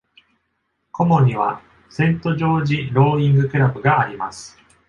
コモには、セント・ジョージ・ロウイング・クラブがあります。